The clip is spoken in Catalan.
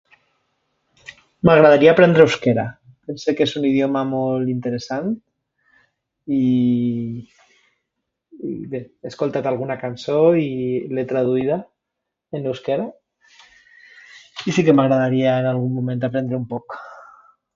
M'agradaria aprendre euskera. Sé que és un idioma molt interessant, i, i bé, he escoltat alguna cançó i l'he traduïda, en euskera, i si que m'agradaria en algun moment aprendre un poc.